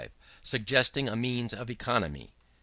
v. Suggestion as a Means of Economy.